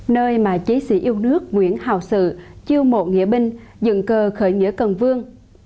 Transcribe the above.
nơi mà chiến sĩ yêu nước nguyễn hào sự chiêu mộ nghĩa binh dựng cờ khởi nghĩa cần vương